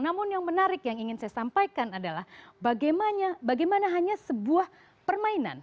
namun yang menarik yang ingin saya sampaikan adalah bagaimana hanya sebuah permainan